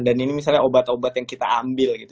dan ini misalnya obat obat yang kita ambil gitu